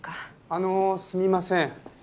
あのすみません。